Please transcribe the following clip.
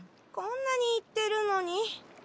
こんなに言ってるのに。